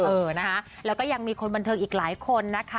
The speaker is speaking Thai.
เออนะคะแล้วก็ยังมีคนบันเทิงอีกหลายคนนะคะ